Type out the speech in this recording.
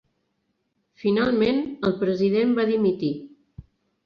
Finalment, el president va dimitir.